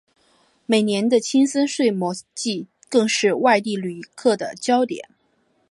每年的青森睡魔祭更是外地游客的焦点。